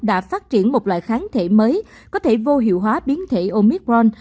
đã phát triển một loại kháng thể mới có thể vô hiệu hóa biến thể omicron